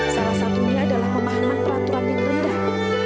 salah satunya adalah pemahaman peraturan yang rendah